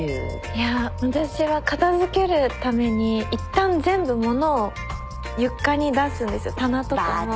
いや私は片づけるために一旦全部ものを床に出すんですよ棚とかの服とかも。